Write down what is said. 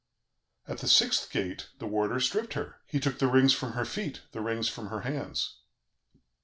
"At the sixth gate, the warder stripped her; he took the rings from her feet, the rings from her hands.